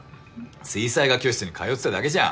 水彩画教室に通ってただけじゃん。